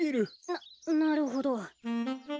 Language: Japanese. ななるほど。